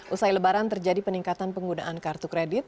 usai lebaran terjadi peningkatan penggunaan kartu kredit